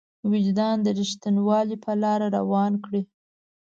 وجدان د رښتينولۍ په لاره روان کړي.